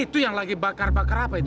itu yang lagi bakar bakar apa itu